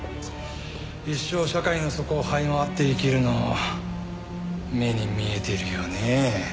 一生社会の底を這い回って生きるの目に見えてるよねえ。